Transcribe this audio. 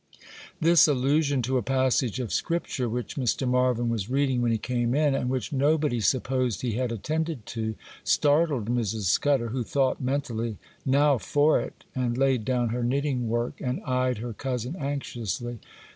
This allusion to a passage of Scripture which Mr. Marvyn was reading when he came in, and which nobody supposed he had attended to, startled Mrs. Scudder, who thought, mentally, 'Now for it!' and laid down her knitting work, and eyed her cousin anxiously.